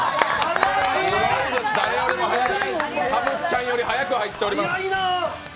すごいです誰よりも早いたぶっちゃんより早く入っております。